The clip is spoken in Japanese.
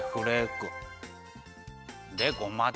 でごまだ。